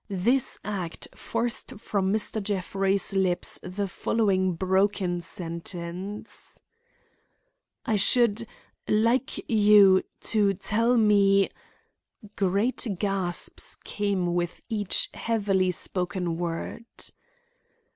This act forced from Mr. Jeffrey's lips the following broken sentence: "I should—like—you—to—tell—me." Great gasps came with each heavily spoken word.